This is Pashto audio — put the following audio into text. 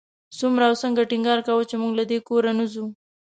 څومره او څنګه ټینګار کاوه چې موږ له دې کوره نه ځو.